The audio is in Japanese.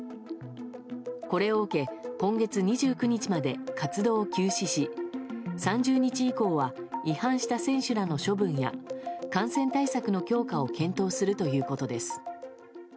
これを受け、今月２９日まで活動を休止し３０日以降は違反した選手らの処分や感染対策の強化を検討するということです。